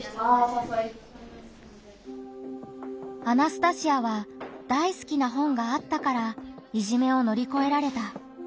アナスタシアは大好きな本があったからいじめを乗り越えられた。